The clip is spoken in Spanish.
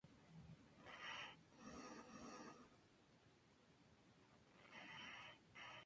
Simpson, dejándola con un tono de comedia.